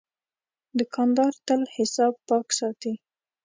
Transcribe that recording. دوکاندار تل حساب پاک ساتي.